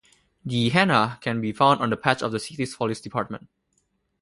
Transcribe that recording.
The "Hannah" can be found on the patch of the city's police department.